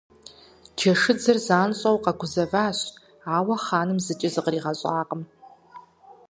Джэшыдзыр занщӀэу къэгузэващ, ауэ хъаным зыкӀи зыкъригъэщӀакъым.